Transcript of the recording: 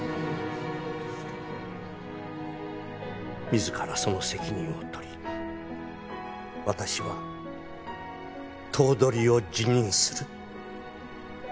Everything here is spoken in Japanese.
「自らその責任を取り私は頭取を辞任する」